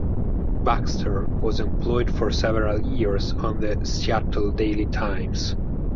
Baxter was employed for several years on the "Seattle Daily Times".